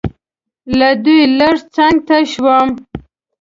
له دوی لږ څنګ ته شوم.